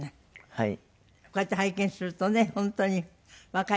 はい。